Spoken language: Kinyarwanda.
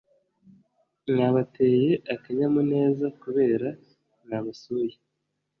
Mwabateye akanyamuneza kubera mwabasuye